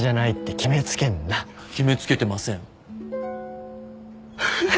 決めつけてません。